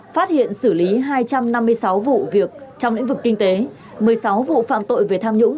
phát hiện xử lý hai trăm năm mươi sáu vụ việc trong lĩnh vực kinh tế một mươi sáu vụ phạm tội về tham nhũng